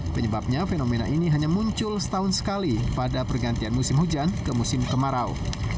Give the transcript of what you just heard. penyebabnya fenomena ini hanya muncul setahun sekali pada pergantian musim hujan ke musim kemarau